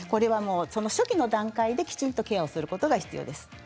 初期の段階できちんとケアすることが必要です。